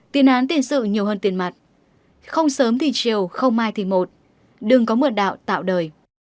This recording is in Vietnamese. tiền án tiền sự nhiều hơn tiền mặt không sớm thì chiều không mai thì một đừng có mượn đạo tạo đời